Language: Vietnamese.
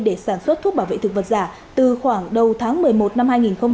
để sản xuất thuốc bảo vệ thực vật giả từ khoảng đầu tháng một mươi một năm hai nghìn hai mươi